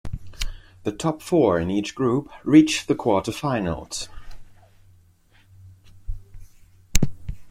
The top four in each group reach the quarter-finals.